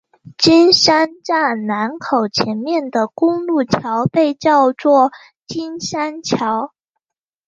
金山站南口前面的公路桥被叫做金山桥。